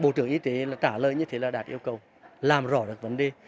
bộ trưởng y tế là trả lời như thế là đạt yêu cầu làm rõ được vấn đề